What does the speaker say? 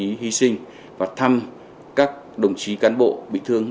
đồng chí hy sinh và thăm các đồng chí cán bộ bị thương